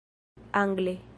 angle